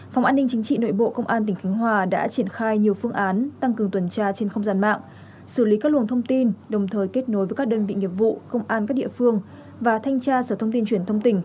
phòng an ninh chính trị nội bộ phòng an ninh chính trị nội bộ phòng an sở thông tin truyền thông tình